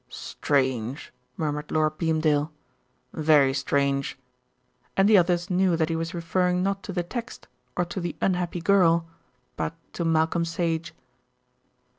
"Strange," murmured Lord Beamdale, "very strange," and the others knew that he was referring not to the text, or to the unhappy girl but to Malcolm Sage.